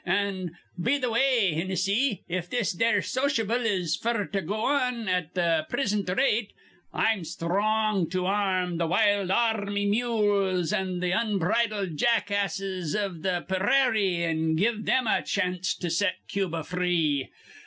An', be th' way, Hinnissy, if this here sociable is f'r to go on at th' prisint rate, I'm sthrong to ar rm th' wild ar rmy mules an' the unbridled jackasses iv th' pe rary an' give thim a chanst to set Cuba free.